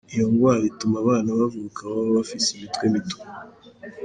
Iyo ngwara ituma abana bavuka baba bafise imitwe mito.